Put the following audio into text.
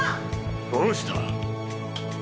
どうした？